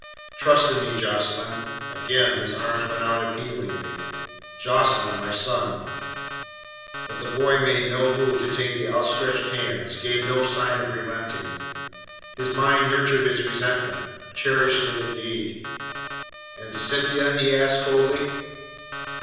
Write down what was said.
Trust in me, Jocelyn." Again his arms went out appealingly: "Jocelyn my son!" But the boy made no move to take the outstretched hands, gave no sign of relenting. His mind nurtured its resentment cherished it indeed. "And Cynthia?" he asked coldly.